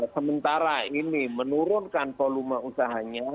sementara ini menurunkan volume usahanya